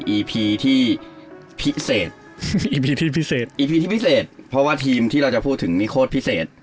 เอพีที่พิเศษเพราะว่าทีมที่เราจะพูดถึงนี้โครตพิเศษ